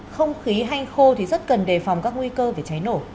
không khí hanh khô thì rất cần đề phòng các nguy cơ về cháy nổ